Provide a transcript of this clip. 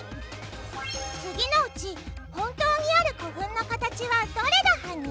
次のうち本当にある古墳の形はどれだハニ？